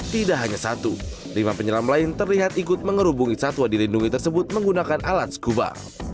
tidak hanya satu lima penyelam lain terlihat ikut mengerubungi satwa dilindungi tersebut menggunakan alat skuba